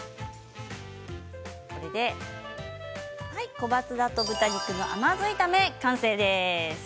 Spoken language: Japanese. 小松菜と豚肉の甘酢炒め完成です。